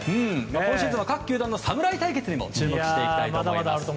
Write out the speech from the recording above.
今シーズンは各球団の侍対決にも注目していきたいと思います。